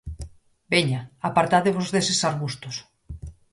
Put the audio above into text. Veña, apartádevos deses arbustos.